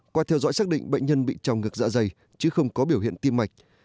qua theo dõi xác định bệnh nhân bị tròng ngực dạ dày chứ không có biểu hiện tim mạch